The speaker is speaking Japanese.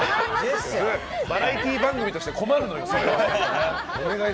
バラエティー番組として困るのよ、それは。